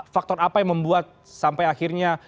faktor apa yang membuat sampai akhirnya